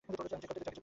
তাকে চেক করতে দে।